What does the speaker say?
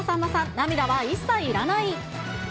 涙は一切いらない。